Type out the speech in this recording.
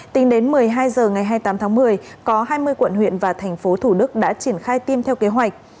tính đến một mươi hai h ngày hai mươi tám tháng một mươi có hai mươi quận huyện và thành phố thủ đức đã triển khai tiêm theo kế hoạch